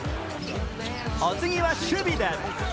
お次は守備で。